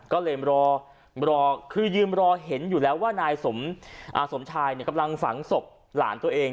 ก็เลยรอคือยืนรอเห็นอยู่แล้วว่านายสมชายกำลังฝังศพหลานตัวเอง